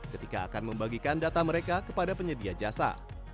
ketika akan membagikan data mereka kepada penyedia jasa